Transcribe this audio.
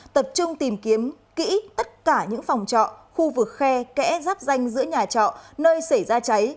tập trung tìm kiếm kỹ tất cả những phòng trọ khu vực khe kẽ giáp danh giữa nhà trọ nơi xảy ra cháy